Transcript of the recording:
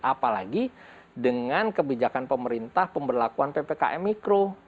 apalagi dengan kebijakan pemerintah pemberlakuan ppkm mikro